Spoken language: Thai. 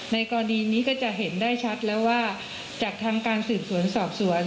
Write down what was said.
ในกรณีนี้ก็จะเห็นได้ชัดแล้วว่าจากทางการสืบสวนสอบสวน